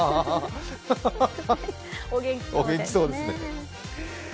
お元気そうですね。